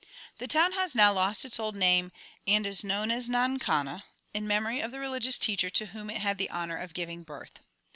The town has now lost its old name, and is known as Nankana, in memory of the religious teacher to whom it had the honour of giving birth.